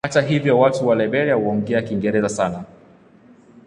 Hata hivyo watu wa Liberia huongea Kiingereza sana.